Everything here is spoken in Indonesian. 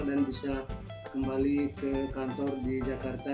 dan bisa kembali ke kantor di jakarta